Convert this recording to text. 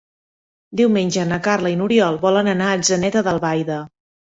Diumenge na Carla i n'Oriol volen anar a Atzeneta d'Albaida.